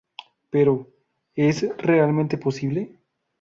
Pero, ¿es realmente posible?